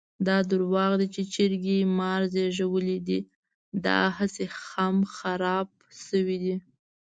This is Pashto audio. دا درواغ دي چې چرګې مار زېږولی دی؛ داهسې خم خراپ شوی دی.